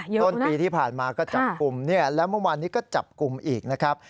ต้นปีที่ผ่านมาก็จับกลุ่มเนี่ยแล้วเมื่อวานนี้ก็จับกลุ่มอีกนะครับ